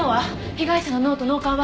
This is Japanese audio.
被害者の脳と脳幹は？